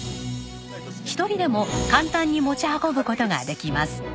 １人でも簡単に持ち運ぶ事ができます。